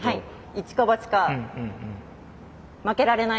一か八か負けられないので。